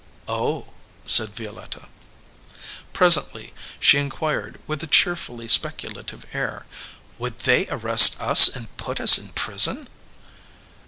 "Oh," said Violetta. Presently she inquired, with a cheerfully specu lative air, "Would they arrest us and put us in prison